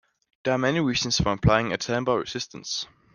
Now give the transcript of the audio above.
There are many reasons for employing tamper resistance.